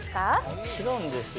もちろんですよ！